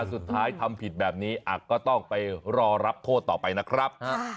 สุดท้ายทำผิดแบบนี้ก็ต้องไปรอรับโทษต่อไปนะครับ